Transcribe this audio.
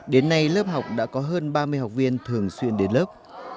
đến nay lớp học đã có hơn ba mươi học viên thường xuyên đến lớp